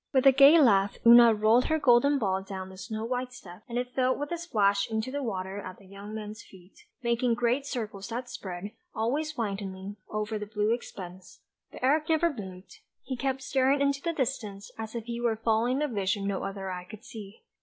With a gay laugh Oona rolled her golden ball down the snow white steps, and it fell with a splash into the water at the young man's feet, making great circles that spread, always widening, over the blue expanse; but Eric never moved, he kept staring into the distance as if he were following a vision no other eye could see.